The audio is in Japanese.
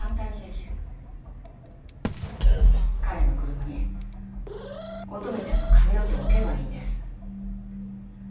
彼の車に乙女ちゃんの髪の毛を置けばいいんです。